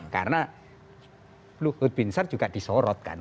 karena luhut bin sar juga disorot kan